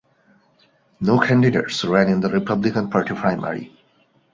No candidates ran in the Republican Party primary.